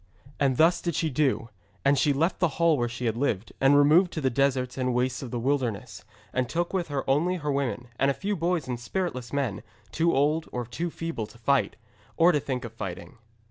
And thus did she do, and she left the hall where she had lived, and removed to the deserts and wastes of the wilderness, and took with her only her women, and a few boys and spiritless men, too old or feeble to fight, or to think of fighting.